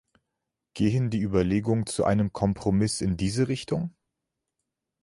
Gehen die Überlegungen zu einem Kompromiss in diese Richtung?